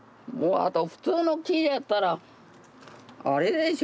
普通の木やったらあれでしょ。